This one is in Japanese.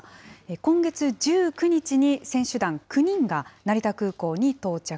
今月１９日に選手団９人が成田空港に到着。